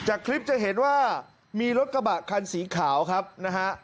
คลิปจะเห็นว่ามีรถกระบะคันสีขาวครับนะฮะ